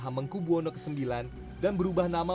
hamengku buwono ix dan berubah nama